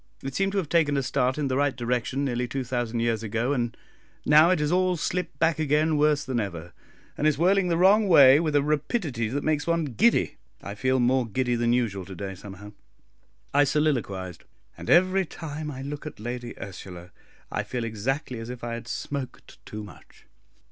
It seemed to have taken a start in the right direction nearly two thousand years ago, and now it has all slipped back again worse than ever, and is whirling the wrong way with a rapidity that makes one giddy. I feel more giddy than usual to day, somehow," I soliloquised; "and every time I look at Lady Ursula, I feel exactly as if I had smoked too much.